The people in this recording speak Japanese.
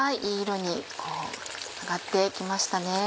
いい色に揚がって来ましたね。